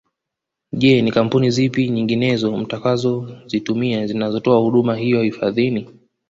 Je ni Kampuni zipi nyinginezo mtakazozitumia zinazotoa huduma hiyo hifadhini